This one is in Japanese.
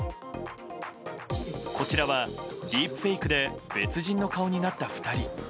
こちらはディープフェイクで別人の顔になった２人。